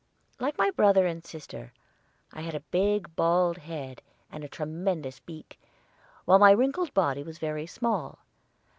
Like my brother and sister, I had a big bald head and a tremendous beak, while my wrinkled body was very small.